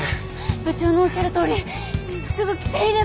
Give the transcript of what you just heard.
部長のおっしゃるとおりすぐ来ていれば！